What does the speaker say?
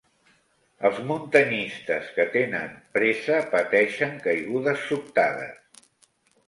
Els muntanyistes que tenen pressa pateixen caigudes sobtades.